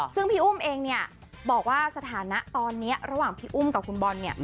ซึ่งพี่อุ้มเองเนี่ยบอกว่าสถานะตอนนี้ระหว่างพี่อุ้มกับคุณบอลเนี่ย